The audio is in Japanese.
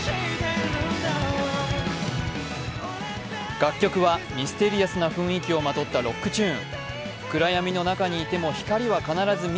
楽曲はミステリアスな雰囲気をまとったロックチューン。